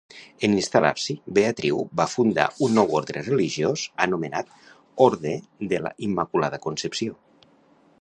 En instal·lar-s'hi, Beatriu va fundar un nou orde religiós anomenat Orde de la Immaculada Concepció.